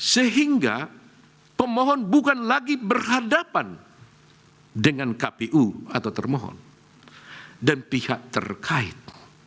sehingga pemohon bukan lagi berhadapan dengan kpu atau termohon dan pihak terkait